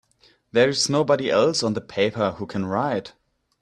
There's nobody else on the paper who can write!